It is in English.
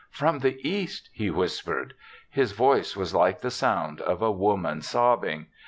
" From the East," he whispered ; his voice was like the sound of a woman sobbing.